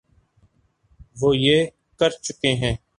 وہ یہ کر چکے ہیں۔